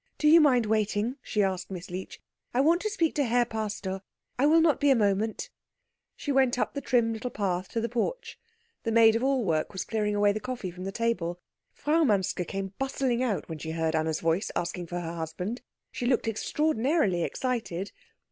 "Do you mind waiting?" she asked Miss Leech. "I want to speak to Herr Pastor. I will not be a moment." She went up the little trim path to the porch. The maid of all work was clearing away the coffee from the table. Frau Manske came bustling out when she heard Anna's voice asking for her husband. She looked extraordinarily excited.